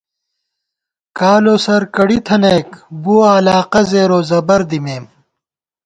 کالوسر کڑی تھنَئیک، بُوَہ علاقہ زیروزبَر دِیمېم